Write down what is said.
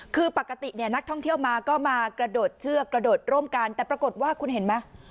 คือปกติเนี่ยนักท่องเที่ยวมาก็มากระโดดเชือกกระโดดร่วมกันแต่ปรากฏว่าคุณเห็นไหม